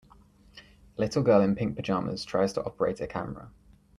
A little girl in pink pajamas tries to operate a camera.